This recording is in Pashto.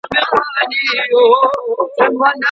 که ښاروالي نوي نیالګي کیږدي، نو ښار نه شاړیږي.